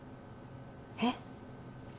えっ？